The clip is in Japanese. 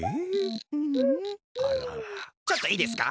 ちょっといいですか。